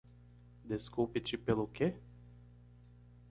Desculpe-te pelo que?